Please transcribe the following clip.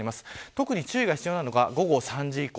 特に注意が必要なのが午後３時以降。